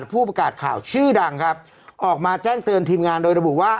ผู้ประกาศข่าวชื่อดังครับออกมาแจ้งเตือนทีมงานโดยระบุว่า